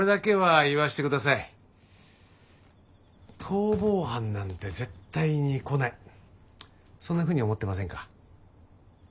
逃亡犯なんて絶対に来ないそんなふうに思ってませんか？